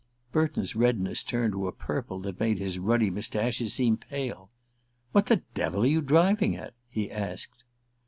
Burton's redness turned to a purple that made his ruddy moustache seem pale. "What the devil are you driving at?" he asked.